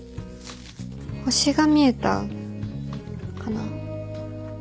星が見えたかな。